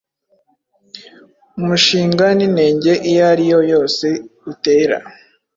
Umushinga ninenge iyo ari yo yose utera